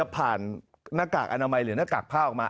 ผ่านหน้ากากอนามัยหรือหน้ากากผ้าออกมา